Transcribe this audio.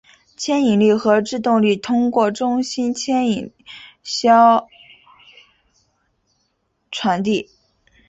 牵引力和制动力通过中心牵引销传递。